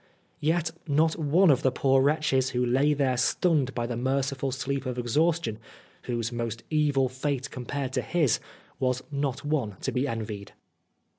Yet not one of the poor wretches who lay there stunned by the merciful sleep of exhaustion, whose most evil fate, compared to his, was not one to be envied